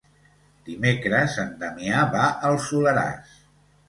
Dimecres en Damià va al Soleràs.